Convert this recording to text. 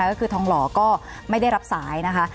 ก็คือทองหล่อก็ไม่ได้รับสายนะคะ